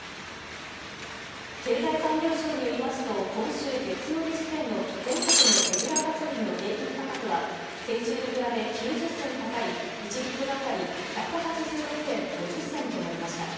経済産業省によりますと今週月曜日時点の全国のレギュラーガソリンの平均価格は先週に比べ９０銭高い１リットル当たり１８６円５０銭となりました。